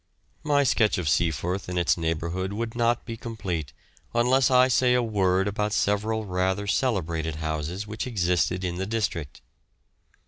My sketch of Seaforth and its neighbourhood would not be complete unless I say a word about several rather celebrated houses which existed in the district.